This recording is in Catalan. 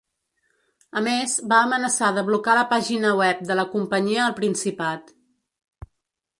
A més, va amenaçar de blocar la pàgina web de la companyia al Principat.